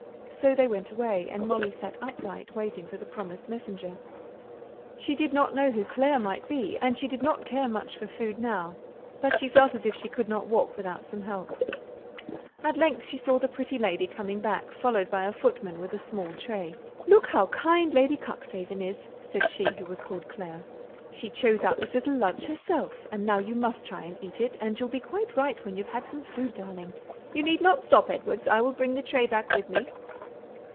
So they went away, and Molly sat upright, waiting for the promised messenger. She did not know who Clare might be, and she did not care much for food now; but she felt as if she could not walk without some help. At length she saw the pretty lady coming back, followed by a footman with a small tray. "Look how kind Lady Cuxhaven is," said she who was called Clare. "She chose you out this little lunch herself; and now you must try and eat it, and you'll be quite right when you've had some food, darling You need not stop, Edwards; I will bring the tray back with me."